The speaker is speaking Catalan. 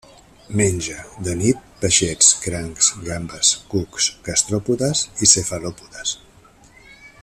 Menja, de nit, peixets, crancs, gambes, cucs, gastròpodes i cefalòpodes.